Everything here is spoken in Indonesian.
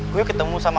gue ketemu sama